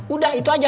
udah itu aja